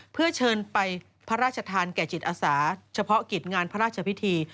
เพื่อเชิญไปพระราชทานแก่จิตอาสาเฉพาะกิจงานพระราชพิธี